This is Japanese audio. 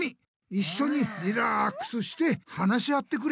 いっしょにリラックスして話し合ってくれ！